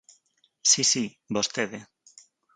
Si, si, vostede.